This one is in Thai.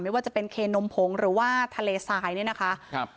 ไม่ว่าจะเป็นเคนมผงหรือว่าทะเลทรายเนี่ยนะคะครับ